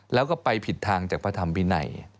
แล้วก็ไปผิดทางจากพระธรรมวินัย